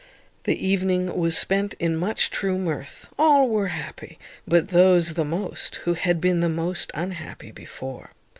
The evening was spent in much true mirth. All were happy, but those the most who had been most unhappy before.